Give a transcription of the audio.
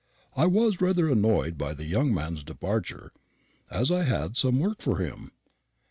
I was rather annoyed by the young man's departure, as I had some work for him.